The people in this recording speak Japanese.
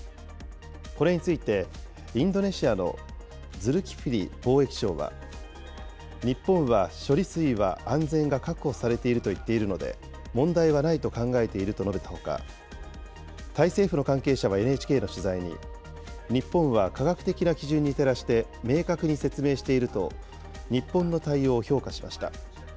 これについて、インドネシアのズルキフリ貿易相は、日本は処理水は安全が確保されていると言っているので、問題はないと考えていると述べたほか、タイ政府の関係者はＮＨＫの取材に、日本は科学的な基準に照らして明確に説明していると、日本の対応を評価しました。